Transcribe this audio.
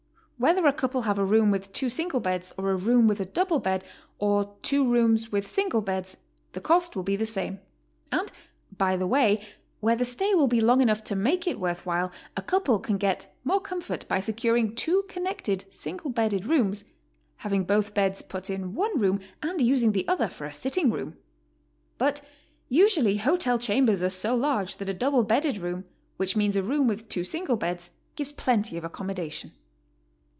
Whether a couple have a room with two single beds, or a room with a double bed, or two rooms with single beds, the cost will be the same. And by the way, where the stay will be long enough to make it worth while, a couple can get more comfort by securing two connecting single bedded rooms, having both beds put in one room, and using the other for a sitting room. But usually hotel chambers are so large that a double bedded room (which means a room with two single beds) gives plenty of accom modation.